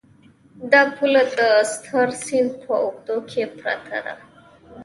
دا پوله د ستر سیند په اوږدو کې پرته ده.